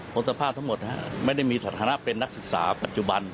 สภาพทั้งหมดไม่ได้มีสถานะเป็นนักศึกษาปัจจุบัน